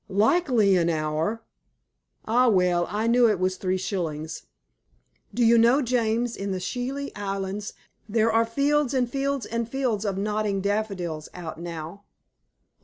"Likely an hour!" "Ah well, I knew it was three shillings. Do you know, James, in the Scilly Islands there are fields and fields and fields of nodding daffodils out now."